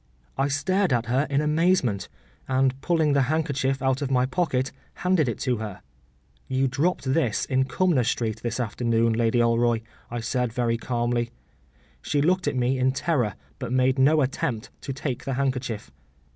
” I stared at her in amazement, and pulling the handkerchief out of my pocket, handed it to her. “You dropped this in Cumnor Street this afternoon, Lady Alroy,” I said very calmly. She looked at me in terror but made no attempt to take the handkerchief.